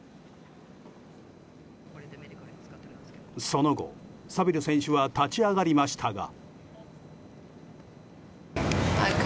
その後、サビル選手は立ち上がりましたが。